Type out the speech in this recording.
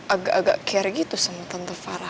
agak agak care gitu sama tante farah